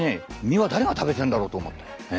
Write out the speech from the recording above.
身は誰が食べてんだろうと思って。